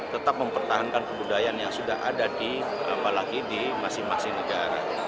tetap mempertahankan kebudayaan yang sudah ada apalagi di masing masing negara